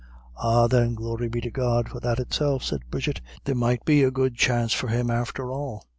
"Ah, then, glory be to God for that itself," said Bridget, "there might be a good chance for him after all."